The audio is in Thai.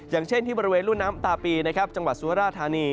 อย่างเช่นที่บริเวณรุ่นน้ำตาปีนะครับจังหวัดสุราธานี